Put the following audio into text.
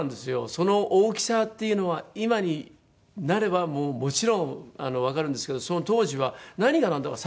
その大きさっていうのは今になればもちろんわかるんですけどその当時は何がなんだかさっぱり。